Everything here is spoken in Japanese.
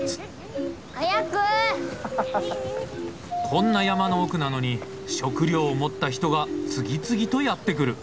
こんな山の奥なのに食料を持った人が次々とやって来る！